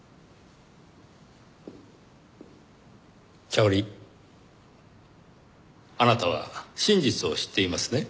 シャオリーあなたは真実を知っていますね？